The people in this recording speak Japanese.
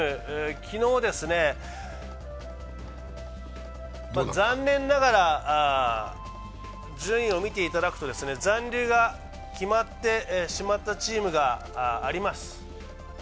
昨日、残念ながら順位を見ていただくと残留が決まってしまったチームがあります。